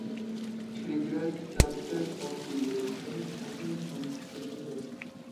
Frigate captain পদটি এই ধরনের জাহাজের নাম থেকে উদ্ভূত।